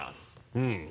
うん？